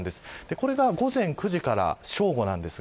これが午前９時から正午の様子です。